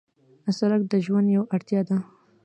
سړک د ژوند یو اړتیا ده.